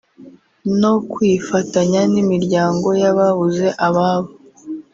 no kwifatanya n’imiryango y’ababuze ababo